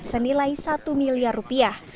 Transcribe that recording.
senilai satu miliar rupiah